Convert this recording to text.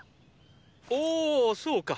おおそうか。